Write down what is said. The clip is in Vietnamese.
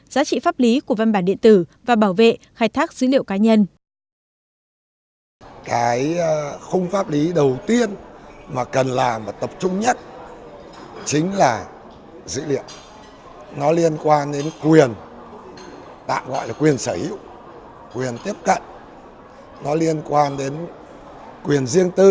giá trị pháp lý của văn bản điện tử và bảo vệ khai thác dữ liệu cá nhân